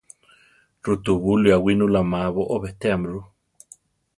Rutubúli awínula má boʼó betéame ru.